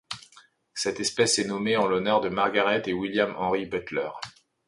Cette espèce est nommée en l'honneur de Margaret et William Henry Butler.